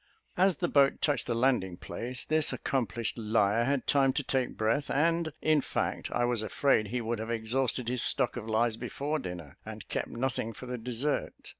As the boat touched the landing place, this accomplished liar had time to take breath, and, in fact, I was afraid he would have exhausted his stock of lies before dinner, and kept nothing for the dessert.